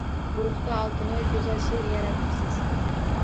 Guruhda Oltinoy, goʻzal sheʼr yaratibsiz